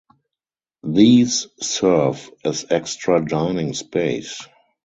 These serve as extra dining space.